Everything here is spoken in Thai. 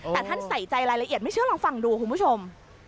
แต่ท่านใส่ใจรายละเอียดไม่เชื่อลองฟังดูคุณผู้ชม